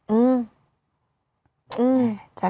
อืมอืม